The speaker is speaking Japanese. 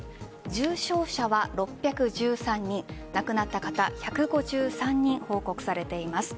重症者は６１３人亡くなった方、１５３人報告されています。